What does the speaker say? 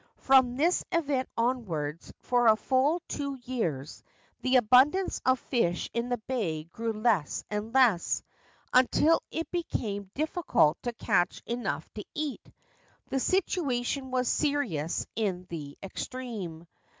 From this event onwards for a full two years the abundance of fish in the bay grew less and less, until it became difficult to catch enough to eat. The situation was serious in the extreme.